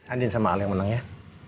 andien sama al yang menang ya